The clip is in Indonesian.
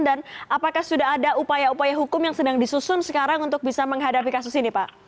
dan apakah sudah ada upaya upaya hukum yang sedang disusun sekarang untuk bisa menghadapi kasus ini pak